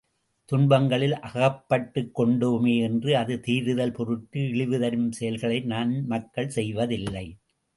துன்பங்களில் அகப்பட்டுக்கொண்டோமே என்று அது தீருதல் பொருட்டு இழிவுதரும் செயல்களை நன் மக்கள் செய்வதில்லை.